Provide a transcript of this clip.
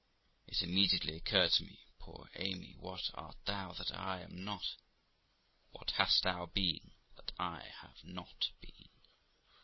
It .immediately occurred to me, ' Poor Amy ! what art thou that I am not? What hast thou been that I have not been?